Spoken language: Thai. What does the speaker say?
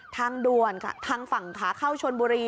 ทางดวนค่ะทางฝั่งขาข้าวชนบุรี